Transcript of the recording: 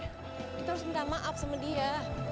kita harus minta maaf sama dia